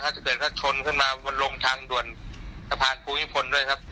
ถ้าเกิดว่าชนขึ้นมาบนลงทางด่วนสะพานภูมิพลด้วยครับ